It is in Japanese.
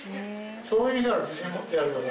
そういう意味では。